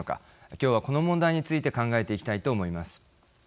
今日はこの問題について考えていきたいと思います。